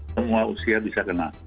semua usia bisa kena